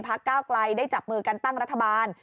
ก้าวไกลได้จับมือกันตั้งรัฐบาล